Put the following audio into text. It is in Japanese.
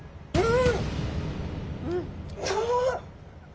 うん！